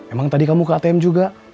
emang tadi kamu ke atm juga